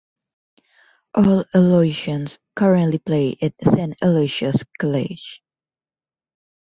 Old Aloysians currently play at St Aloysius College.